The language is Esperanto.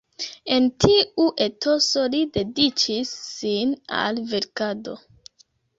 En tiu etoso li dediĉis sin al verkado.